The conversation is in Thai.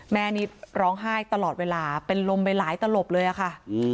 แม่นี่ร้องไห้ตลอดเวลาเป็นลมไปหลายตลบเลยอะค่ะ